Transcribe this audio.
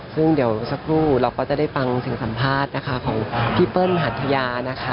ซึ่งเดี๋ยวสักครู่เราก็จะได้ฟังเสียงสัมภาษณ์นะคะของพี่เปิ้ลหัทยานะคะ